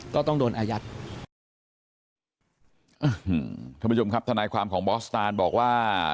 ก็ต้องโดนอายัดอืมท่านผู้ชมครับทนายความของบอสตานบอกว่า